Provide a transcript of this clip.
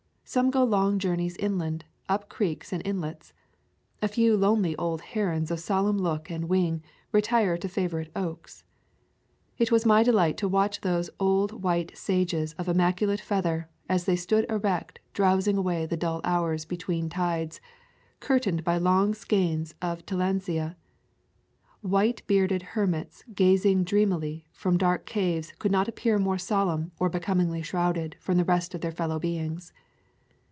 Some go long journeys in land, up creeks and inlets. A few lonely old herons of solemn Jook and wing retire to favor ite oaks. It was my delight to watch those old white sages of immaculate feather as they stood erect drowsing away the dull hours be tween tides, curtained by long skeins of til landsia. White bearded hermits gazing dream ily from dark caves could not appear more sol emn or more becomingly shrouded from the rest of their fellow beings.